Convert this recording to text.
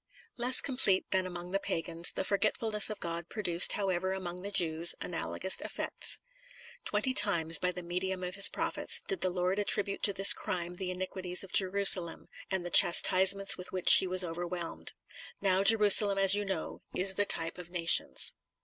Less complete than among the pagans, the forgetfulness of God, produced, however, among the Jews, analogous effects. Twenty times, by the medium of his prophets, did the Lord attribute to this crime the iniquities of Jerusalem, and the chastisements with which she was overwhelmed. Now, Jerusalem, as you know, is the type of nations.